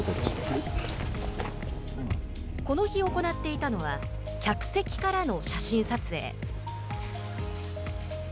この日、行っていたのは客席からの写真撮影。